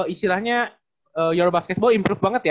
istilahnya euro basketball improve banget ya